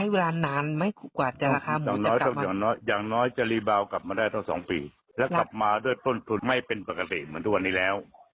อย่างน้อยจะรีบาวกลับมาได้ต้อง๒ปีแล้วกลับมาด้วยต้นทุนไม่เป็นปกติเหมือนทุกวันนี้แล้ว